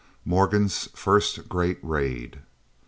MORGAN'S FIRST GREAT RAID.